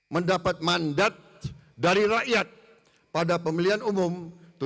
mendapat mandat dari rakyat pada pemilihan umum tujuh belas april